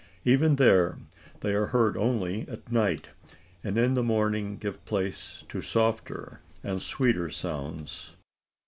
Even there, they are heard only at night; and in the morning give place to softer and sweeter sounds.